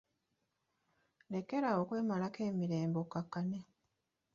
Lekera awo okwemalako emirembe okkakkane.